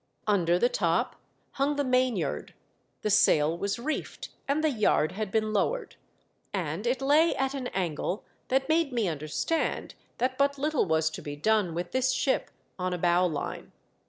Under the top hung the mainyard, I INSPECT THE FLYING DUTCHMAN. IO7 the sail was reefed and the yard had been lowered, and it lay at an angle that made me understand that but little was to be done with this ship on a bowline.